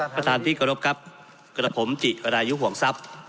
ประตานที่กรบครับกระดาษผมจิกระดายุห่วงทรัพย์